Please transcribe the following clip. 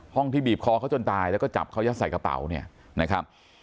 ห้องที่บีบคอเค้าจนตายแล้วก็จับเค้ายัดใส่กระเป๋า